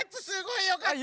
あよかった？